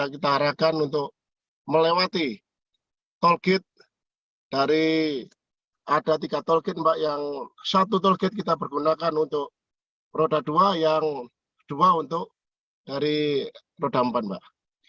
kita harapkan untuk melewati tol gate dari ada tiga tol gate mbak yang satu tol gate kita bergunakan untuk roda dua yang dua untuk dari roda empat mbak